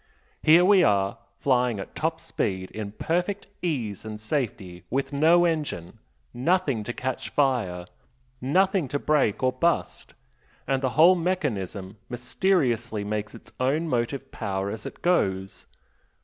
Here we are, flying at top speed in perfect ease and safety with no engine nothing to catch fire nothing to break or bust and the whole mechanism mysteriously makes its own motive power as it goes.